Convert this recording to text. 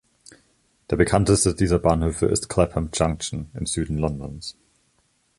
Der bekannteste dieser Bahnhöfe ist Clapham Junction im Süden Londons.